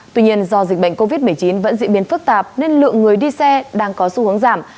tuy nhiên do dịch bệnh covid một mươi chín vẫn diễn biến phức tạp nên lượng người đi xe đang có xu hướng giảm